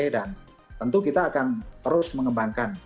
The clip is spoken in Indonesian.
dan tentu kita akan terus mengembangkan